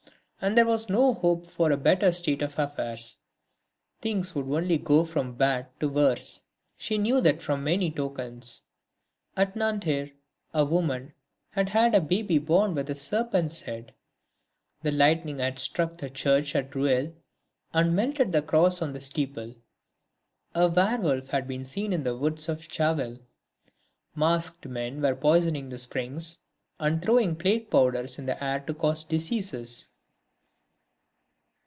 And there was no hoping for a better state of affairs. Things would only go from bad to worse, she knew that from many tokens. At Nanterre a woman had had a baby born with a serpent's head; the lightning had struck the church at Rueil and melted the cross on the steeple; a were wolf had been seen in the woods of Chaville. Masked men were poisoning the springs and throwing plague powders in the air to cause diseases....